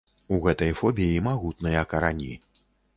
У гэтай фобіі магутныя карані.